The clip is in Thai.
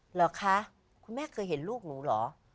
เหรอคะคุณแม่เคยเห็นลูกหนูเหรอ